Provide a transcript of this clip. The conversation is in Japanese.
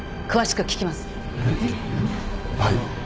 はい。